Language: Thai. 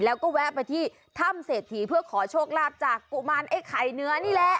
แล้วก็แวะไปที่ถ้ำเศรษฐีเพื่อขอโชคลาภจากกุมารไอ้ไข่เนื้อนี่แหละ